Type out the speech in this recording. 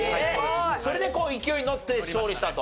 それで勢いに乗って勝利したと。